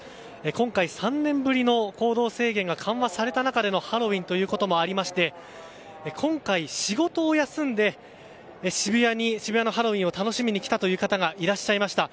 今回、３年ぶりの行動制限が緩和された中でのハロウィーンということもありまして、今回、仕事を休んで渋谷に、渋谷のハロウィーンを楽しみに来たという方がいらっしゃいました。